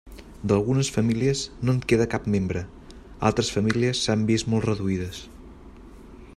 D'algunes famílies no en queda cap membre, altres famílies s'han vist molt reduïdes.